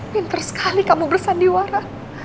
pinter sekali kamu bersandiwara